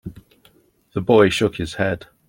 The boy shook his head.